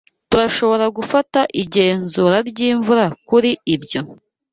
Turashobora gufata igenzura ryimvura kuri ibyo?